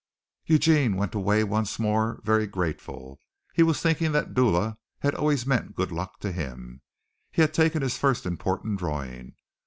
Eugene went away once more, very grateful. He was thinking that Dula had always meant good luck to him. He had taken his first important drawing.